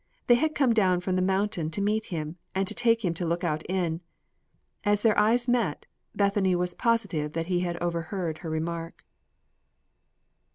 They had come down from the mountain to meet him, and take him to Lookout Inn. As their eyes met, Bethany was positive that he had overheard her remark.